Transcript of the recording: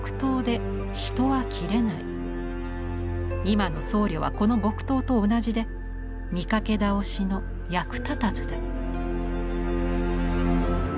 今の僧侶はこの木刀と同じで見かけ倒しの役立たずだ」。